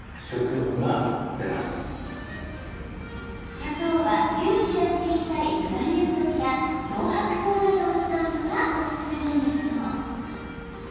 砂糖は、粒子が小さいグラニュー糖や上白糖などを使うのがおすすめなんだそう。